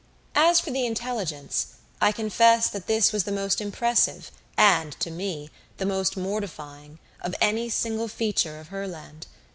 As for the intelligence, I confess that this was the most impressive and, to me, most mortifying, of any single feature of Herland.